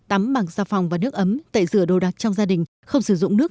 tắm bằng gia phòng và nước ấm tệ rửa đồ đặc trong gia đình không sử dụng nước